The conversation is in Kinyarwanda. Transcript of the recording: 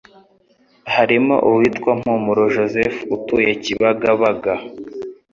harimo uwitwa Mpumuro Joseph, utuye Kibagabaga,